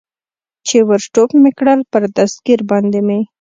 چې ور ټوپ مې کړل، پر دستګیر باندې مې.